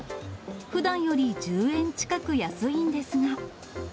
ふだんより１０円近く安いんですが。